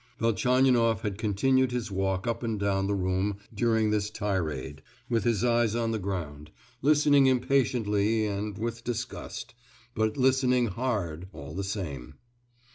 " Velchaninoff had continued his walk up and down the room during this tirade, with his eyes on the ground, listening impatiently and with disgust—but listening hard, all the same.